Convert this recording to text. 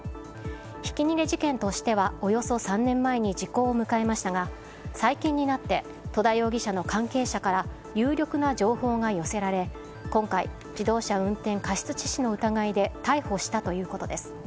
ひき逃げ事件としてはおよそ３年前に時効を迎えましたが最近になって戸田容疑者の関係者から有力な情報が寄せられ今回自動車運転過失致死の疑いで逮捕したということです。